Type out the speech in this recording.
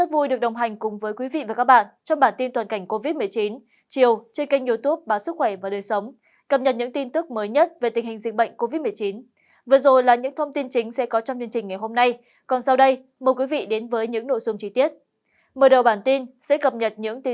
mở đầu bản tin sẽ cập nhật những tin tức covid một mươi chín mới nhất tại thành phố hà nội